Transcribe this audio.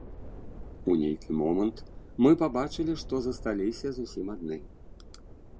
У нейкі момант мы пабачылі, што засталіся зусім адны.